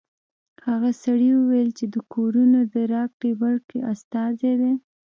هغه سړي ویل چې د کورونو د راکړې ورکړې استازی دی